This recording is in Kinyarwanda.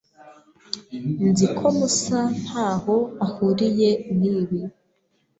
Nzi ko Musa ntaho ahuriye nibi.